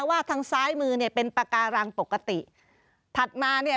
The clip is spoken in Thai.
ว่าทางซ้ายมือเนี่ยเป็นปากการังปกติถัดมาเนี่ย